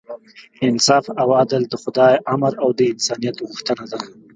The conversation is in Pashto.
انصاف او عدل د خدای امر او د انسانیت غوښتنه ده.